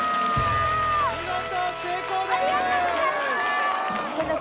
見事成功です！